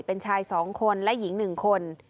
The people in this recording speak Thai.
เป็นชาย๒คนและหญิง๑คน